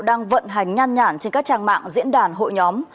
đang vận hành nhan nhản trên các trang mạng diễn đàn hội nhóm